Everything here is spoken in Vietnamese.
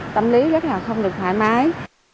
tâm lý rất là không được thoải mái